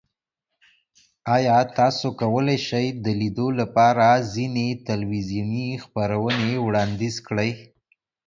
ایا تاسو کولی شئ د لیدو لپاره ځینې تلویزیوني خپرونې وړاندیز کړئ؟